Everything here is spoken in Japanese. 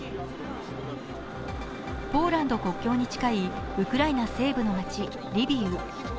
ポーランド国境に近いウクライナ西部の町・リビウ。